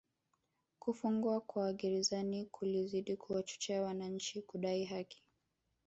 Kufungwa kwake Gerezani kulizidi kuwachochea wananchi kudai haki